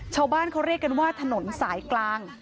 ชาวบ้านเขาเรียกกันว่าถนนสายกลาง